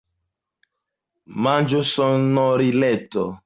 Manĝosonorileto.